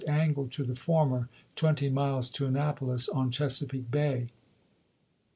angle to the former, twenty miles to Annapolis, on Chesapeake Bay.